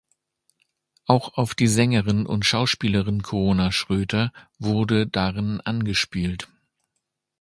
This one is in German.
Auch auf die Sängerin und Schauspielerin Corona Schröter wurde darin angespielt.